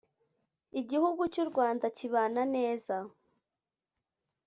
igihugu cy ‘u rwanda kibana neza.